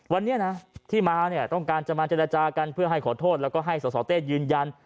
วันนี้นะที่มาเนี่ยต้องการจะมาเจรจากันเพื่อให้ขอโทษแล้วก็ให้สสเต้ยืนยัน